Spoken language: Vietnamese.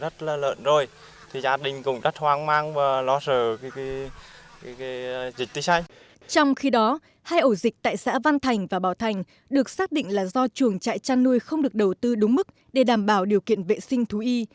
trong khi đó hai ổ dịch tại xã văn thành và bảo thành được xác định là do chuồng trại chăn nuôi không được đầu tư đúng mức để đảm bảo điều kiện vệ sinh thú y